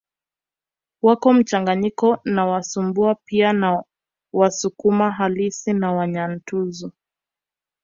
Wako mchanganyiko na Wasumbwa pia na Wasukuma halisi na Wanyantuzu